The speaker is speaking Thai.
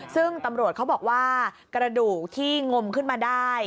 ซึ่งตำรวจเขาบอกว่ากระดูกที่งมขึ้นมาได้